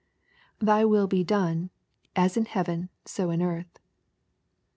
[Thy will he done^ as in heaven^ so in earth.